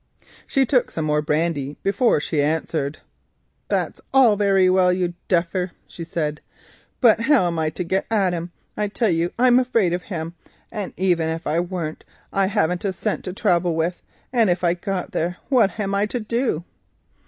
She took some more brandy before she answered. "That's all very well, you duffer," she said; "but how am I to get at him? I tell you I'm afraid of him, and even if I weren't, I haven't a cent to travel with, and if I got there what am I to do?"